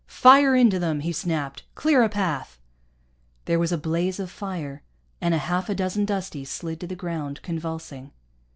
"Fire into them," he snapped. "Clear a path." There was a blaze of fire, and a half a dozen Dusties slid to the ground, convulsing.